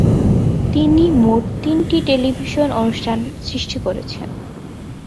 তিনি মোট তিনটি টেলিভিশন অনুষ্ঠান সৃষ্টি করেছেন।